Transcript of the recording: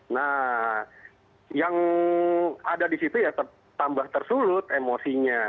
nah yang ada di situ ya tambah tersulut emosinya